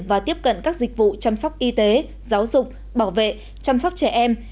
và tiếp cận các dịch vụ chăm sóc y tế giáo dục bảo vệ chăm sóc trẻ em